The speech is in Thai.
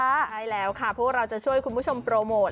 ใช่แล้วค่ะพวกเราจะช่วยคุณผู้ชมโปรโมท